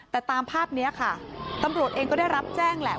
แต่ตามภาพนี้ค่ะตำรวจเองก็ได้รับแจ้งแหละ